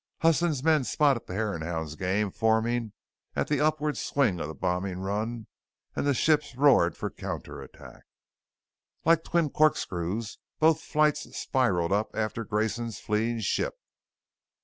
Huston's men spotted the hare and hounds game forming at the upward swing of the bombing run and the ships roared for counter attack. Like twin corkscrews, both flights spiralled up after Grayson's fleeing ship.